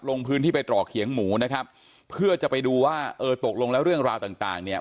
ลงพื้นที่ไปตรอกเขียงหมูนะครับเพื่อจะไปดูว่าเออตกลงแล้วเรื่องราวต่างต่างเนี่ย